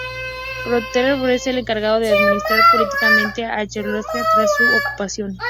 Protector Heydrich: Es el encargado de administrar políticamente a Checoslovaquia tras su ocupación.